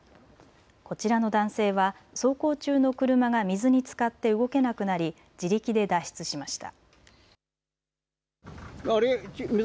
こちらの男性は走行中の車が水につかって動けなくなり自力で脱出しました。